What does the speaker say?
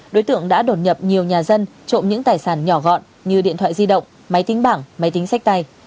đối tượng đã đột nhập nhiều nhà dân trộm những tài sản nhỏ gọn như điện thoại di động máy tính bảng máy tính sách tay